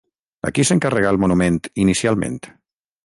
A qui s'encarregà el monument inicialment?